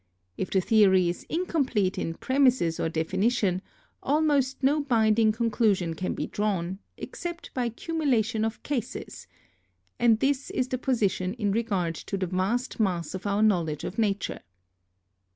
If the theory is incomplete in premises or definition, almost no binding conclusion can be drawn, except by cumulation of cases ; and this is the position in regard to the vast mass of our knowledge of Nature.